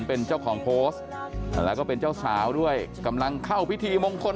เป็นเจ้าของโพสต์แล้วก็เป็นเจ้าสาวด้วยกำลังเข้าพิธีมงคล